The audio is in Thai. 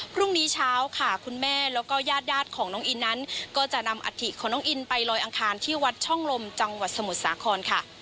พรุ่งนี้เช้าค่ะคุณแม่แล้วก็ญาติของน้องอินนั้นก็จะนำอัฐิของน้องอินไปลอยอังคารที่วัดช่องลมจังหวัดสมุทรสาครค่ะ